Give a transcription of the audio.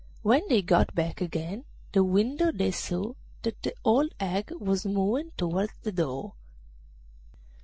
When they got back again to the window they saw that the old hag was moving towards the door.